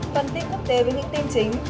phân tích quốc tế với những tin chính